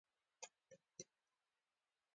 د مڼې ګل د څه لپاره وکاروم؟